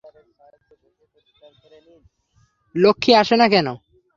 লক্ষ্মী আসে না কেন?